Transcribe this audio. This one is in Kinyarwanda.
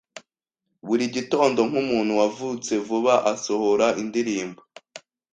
Buri gitondo nkumuntu wavutse vuba asohora indirimbo